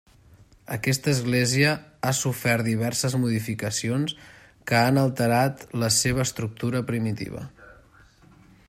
Aquesta església ha sofert diverses modificacions que han alterat la seva estructura primitiva.